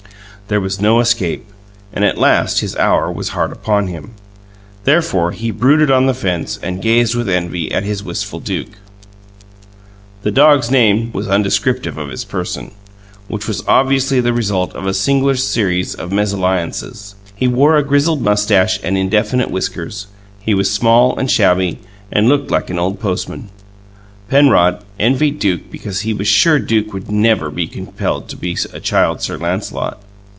There was no escape; and at last his hour was hard upon him. Therefore he brooded on the fence and gazed with envy at his wistful Duke. The dog's name was undescriptive of his person, which was obviously the result of a singular series of mesalliances. He wore a grizzled moustache and indefinite whiskers; he was small and shabby, and looked like an old postman. Penrod envied Duke because he was sure Duke would never be compelled to be a Child Sir Lancelot.